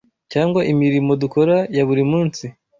cyangwa imirimo dukora ya buri munsi